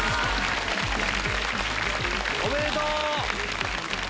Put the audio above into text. おめでとう！